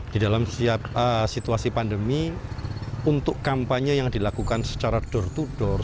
di dalam setiap situasi pandemi untuk kampanye yang dilakukan secara door to door